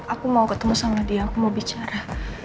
aku mau ketemu sama dia aku mau bicara